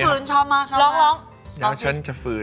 เข้าใจแล้ว